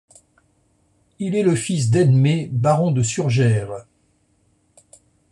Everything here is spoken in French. Il est le fils d'Edme, baron de Surgeres.